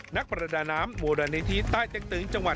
นักประดาน้ำมูลนิธิใต้เต็กตึงจังหวัด